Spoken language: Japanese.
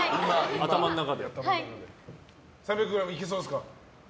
３００ｇいけそうですか？